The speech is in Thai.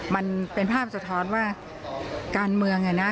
มันเป็นภาพสะท้อนว่าการเมืองเนี่ยนะ